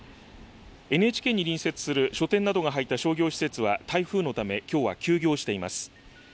ＮＨＫに隣接する書店などが入った商業施設は台風のためきょうは休業しています。